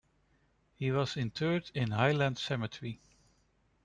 He was interred in Highland Cemetery.